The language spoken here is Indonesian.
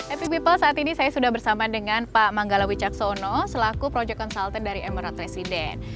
epic people saat ini saya sudah bersama dengan pak manggalowi caksono selaku proyek konsultan dari emerald resident